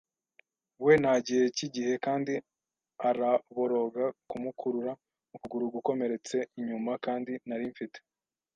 we ntagihe cyigihe kandi araboroga kumukurura ukuguru gukomeretse inyuma, kandi nari mfite